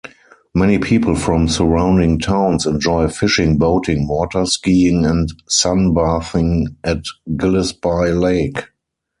Many people from surrounding towns enjoy fishing, boating, water-skiing and sunbathing at Gillespie Lake.